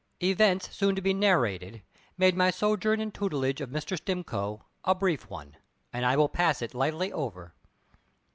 Events soon to be narrated made my sojourn in tutelage of Mr. Stimcoe a brief one, and I will pass it lightly over.